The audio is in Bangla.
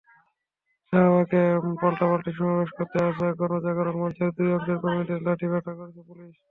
শাহবাগে পাল্টাপাল্টি সমাবেশ করতে আসা গণজাগরণ মঞ্চের দুই অংশের কর্মীদের লাঠিপেটা করেছে পুলিশ।